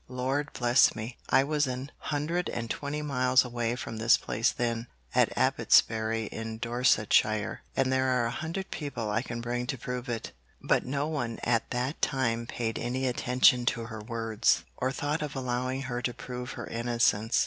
'Lord bless me! I was an hundred and twenty miles away from this place then, at Abbotsbury in Dorsetshire, and there are a hundred people I can bring to prove it.' But no one at that time paid any attention to her words, or thought of allowing her to prove her innocence.